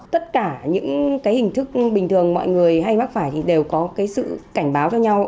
tất cả những hình thức bình thường mọi người hay mắc phải đều có sự cảnh báo cho nhau